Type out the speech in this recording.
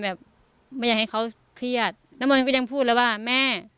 แบบไม่อยากให้เขาเครียดน้ำมนต์ก็ยังพูดเลยว่าแม่